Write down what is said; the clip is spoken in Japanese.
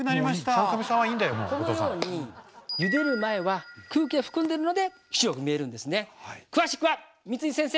このようにゆでる前は空気を含んでるので白く見えるんですね。